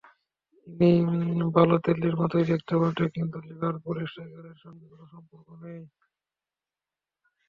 ইনি বালোতেল্লির মতোই দেখতে বটে, কিন্তু লিভারপুল স্ট্রাইকারের সঙ্গে কোনো সম্পর্ক নেই।